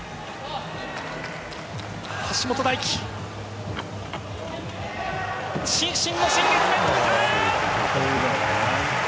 橋本大輝、伸身の新月面！